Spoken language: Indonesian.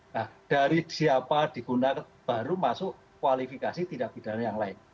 nah dari siapa digunakan baru masuk kualifikasi tindak pidana yang lain